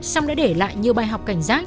xong đã để lại nhiều bài học cảnh giác